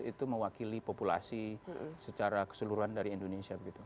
itu mewakili populasi secara keseluruhan dari indonesia